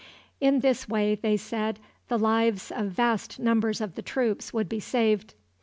In this way, they said, the lives of vast numbers of the troops would be saved.